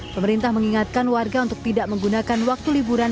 pemerintah mengingatkan warga untuk tidak menggunakan waktu liburan